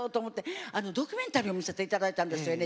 ＮＨＫのドキュメンタリーを見せていただいたんです。